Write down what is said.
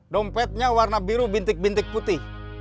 dompetnya warna biru bintik bintik putih